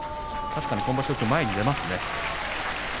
確かに今場所は前に出ますね。